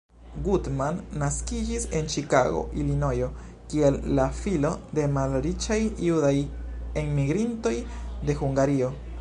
Goodman naskiĝis en Ĉikago, Ilinojo kiel la filo de malriĉaj judaj enmigrintoj de Hungario.